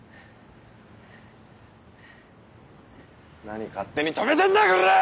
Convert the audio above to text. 何勝手に止めてんだコラァ！